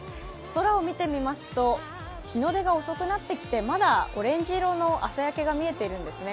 空を見てみますと日の出が遅くなってきてまだオレンジ色の朝焼けが見えているんですね。